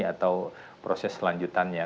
atau proses selanjutannya